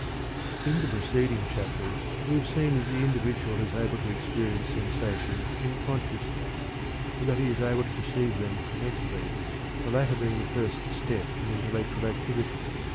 In the preceding chapters we have seen that the individual is able to experience sensations in consciousness, and that he is able to perceive them mentally, the latter being the first step in intellectual activity.